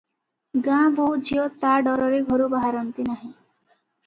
ଗାଁ ବୋହୂ ଝିଅ ତା ଡରରେ ଘରୁ ବାହାରନ୍ତି ନାହିଁ ।